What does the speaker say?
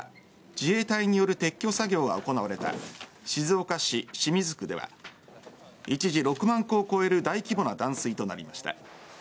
自衛隊による撤去作業が行われた静岡市清水区では一時、６万戸を超える大規模な断水となりました。